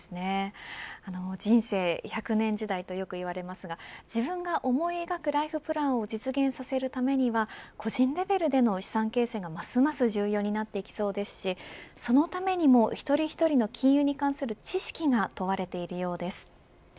人生１００年時代といわれますが自分が思い描くライフプランを実現させるためには個人レベルでの資産形成がますます重要になりそうですしそのためにも１人１人の金融の知識が問われているようです。